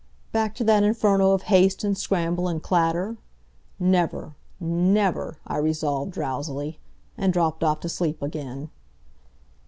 Back to that inferno of haste and scramble and clatter? Never! Never! I resolved, drowsily. And dropped off to sleep again.